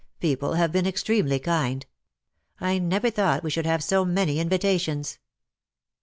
People have been extremely kind. I never thought we should have so many invita tions."